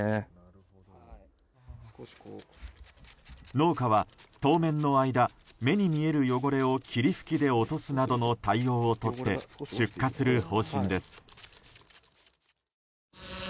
農家は当面の間目に見える汚れを霧吹きで落とすなどの対応をとって出荷する方針です。